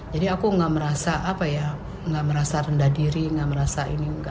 jadi aku nggak merasa apa ya nggak merasa rendah diri nggak merasa ini